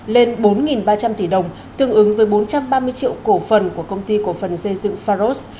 lên bốn ba trăm linh tỷ đồng tương ứng với bốn trăm ba mươi triệu cổ phần của công ty cổ phần xây dựng pharos